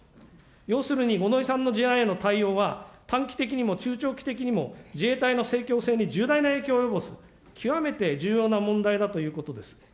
要するに五ノ井さんの事案への対応は、短期的にも中長期的にも、自衛隊のせいきょう性に重大な影響を及ぼす、極めて重要な問題だということです。